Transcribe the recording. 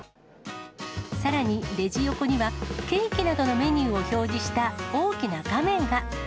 さらにレジ横には、ケーキなどのメニューを表示した大きな画面が。